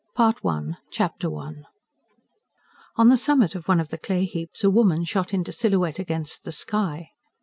Part I Chapter I On the summit of one of the clay heaps, a woman shot into silhouette against the sky.